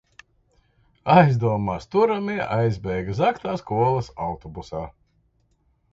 Aizdomās turamie aizbēga zagtā skolas autobusā.